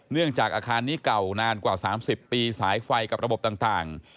จากอาคารนี้เก่านานกว่า๓๐ปีสายไฟกับระบบต่าง